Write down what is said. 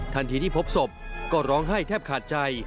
ที่พบศพก็ร้องไห้แทบขาดใจ